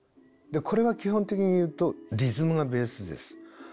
これは基本的に言うとリズムがベースです。